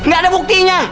gak ada buktinya